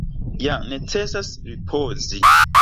Ja necesas ripozi.